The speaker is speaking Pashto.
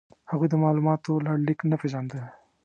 هغوی د مالوماتو لړلیک نه پېژانده.